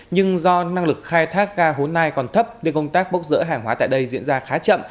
nhưng do năng lực khai thác ga hồ nai còn thấp để công tác bốc rỡ hàng hóa tại đây diễn ra khá chậm